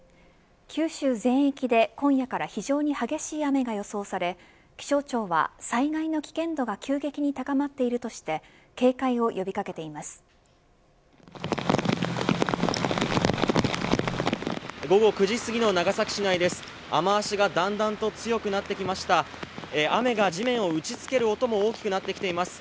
九州全域で、今夜から非常に激しい雨が予想され気象庁は災害の危険度が急激に高まっているとして警戒を呼び掛けています。